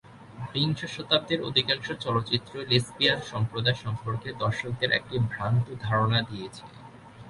বিংশ শতাব্দীর অধিকাংশ চলচ্চিত্রই লেসবিয়ান সম্প্রদায় সম্পর্কে দর্শকদের একটি ভ্রান্ত ধারণা দিয়েছে।